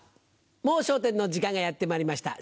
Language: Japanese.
『もう笑点』の時間がやってまいりました。